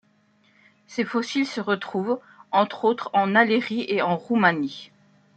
Ces fossiles se retrouvent, entre autres en Alérie et en Roumanie.